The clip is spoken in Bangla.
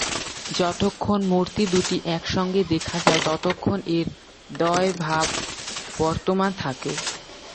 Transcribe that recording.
যতক্ষণ মূর্তিদুটি একসঙ্গে দেখা যায় ততক্ষণ এর দ্বয়ভাব বর্তমান থাকে।